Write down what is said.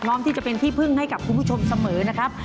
พร้อมที่จะเป็นที่พึ่งให้กับคุณผู้ชมเสมอนะครับ